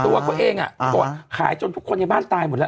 ตัวเขาเองเขาบอกขายจนทุกคนในบ้านตายหมดแล้ว